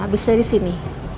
habis dari sini